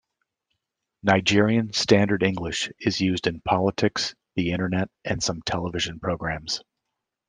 Nigerian Standard English is used in politics, the Internet and some television programs.